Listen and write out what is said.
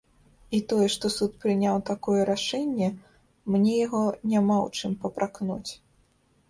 І тое, што суд прыняў такое рашэнне, мне яго няма ў чым папракнуць.